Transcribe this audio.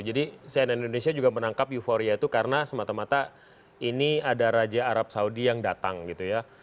jadi saya dan indonesia juga menangkap euforia itu karena semata mata ini ada raja arab saudi yang datang gitu ya